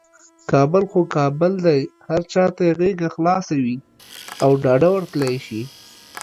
کابل خو کابل دی، هر چاته یې غیږه خلاصه وي او ډاده ورتللی شي.